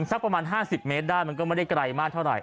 จุด๑ซะประมาณ๕๐เมตรมันก็ไม่ได้ไกลมากเท่าไหร่